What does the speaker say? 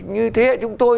như thế hệ chúng tôi